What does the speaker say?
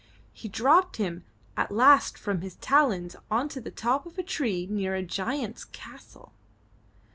He dropped him at last from his talons into the top of a tree near a giant's castle.